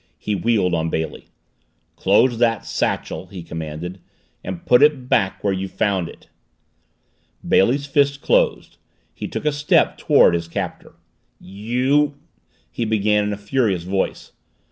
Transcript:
He wheeled on Bailey. "Close that satchel," he commanded, "and put it back where you found it!" Bailey's fist closed. He took a step toward his captor. "You " he began in a furious voice.